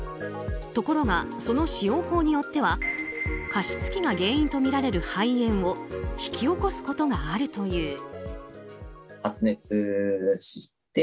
ところが、その使用法によっては加湿器が原因とみられる肺炎を引き起こすことがあるという。